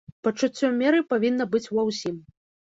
Пачуццё меры павінна быць ва ўсім.